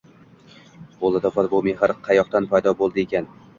Bu latofat, bu mehr qayoqdan paydo bo'ldi ekan?